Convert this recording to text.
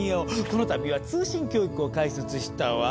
この度は通信教育を開設したわ。